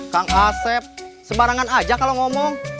kang asep sembarangan aja kalau ngomong